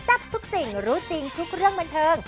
ทับทุกสิ่งรู้จริงทุกเรื่องบันเทิง